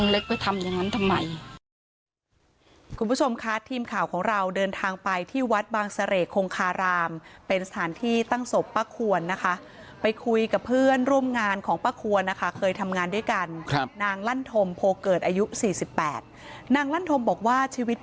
ลุงเล็กไปทำอย่างนั้นทำไม